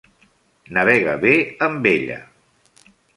Navega bé amb ella.